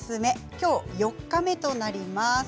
今日４日目となります。